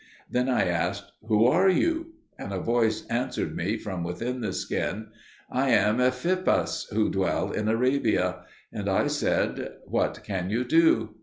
Then I asked, "Who are you?" And a voice answered me from within the skin, "I am Ephippas who dwell in Arabia." And I said, "What can you do."